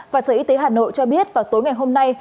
và sở y tế hà nội cho biết vào tối ngày hôm nay